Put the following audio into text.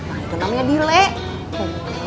nah itu namanya delay